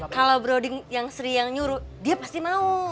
kalau browding yang sri yang nyuruh dia pasti mau